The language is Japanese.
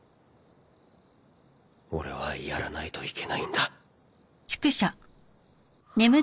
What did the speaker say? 俺はやらないといけないんだ。